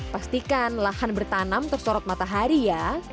pastikan lahan bertanam tersorot matahari ya